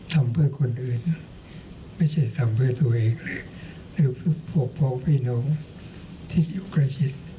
ทำเพื่อคนอื่นนะไม่ใช่ทำเพื่อตัวเองหรือพวกพ้องพี่น้องที่อยู่ใกล้ชิด